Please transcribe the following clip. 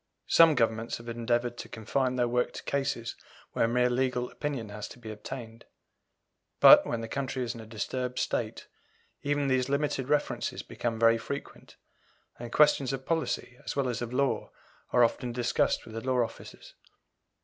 Some Governments have endeavoured to confine their work to cases where a mere legal opinion has to be obtained; but, when the country is in a disturbed state, even these limited references become very frequent, and questions of policy as well as of law are often discussed with the law officers.